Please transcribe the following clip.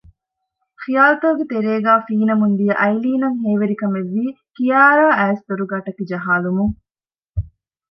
ޚިޔާލުތަކުގެ ތެރޭގައި ފީނަމުންދިޔަ އައިލީނަށް ހޭވެރިކަމެއްވީ ކިޔާރާާ އައިސް ދޮރުގައި ޓަކި ޖަހާލުމުން